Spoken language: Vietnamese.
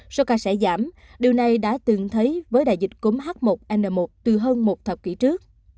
số ca sẽ giảm điều này đã từng thấy với đại dịch cúm h một n một từ hơn một thập kỷ trước